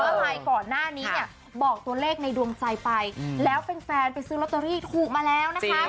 อะไรก่อนหน้านี้เนี่ยบอกตัวเลขในดวงใจไปแล้วแฟนไปซื้อลอตเตอรี่ถูกมาแล้วนะคะ